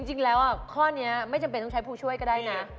จริงแล้วข้อนี้ไม่จำเป็นต้องใช้ผู้ช่วยก็ได้นะ